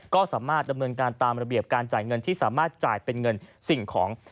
ก็สามารถดำเนินการตามระเบียบการจ่ายเงินที่สามารถจ่ายเป็นเงินสิ่งของ